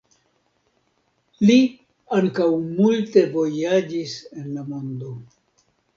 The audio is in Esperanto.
Li ankaŭ multe vojaĝis en la mondo.